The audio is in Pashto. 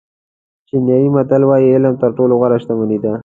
چینایي متل وایي علم تر ټولو غوره شتمني ده.